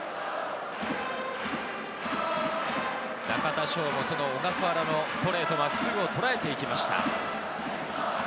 中田翔が小笠原の真っすぐをとらえていきました。